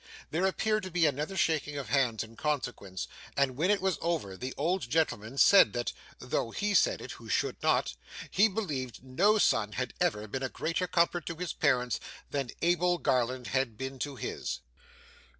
There appeared to be another shaking of hands in consequence, and when it was over, the old gentleman said that, though he said it who should not, he believed no son had ever been a greater comfort to his parents than Abel Garland had been to his.